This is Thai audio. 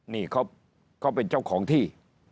นี่เขาเป็นเจ้าของที่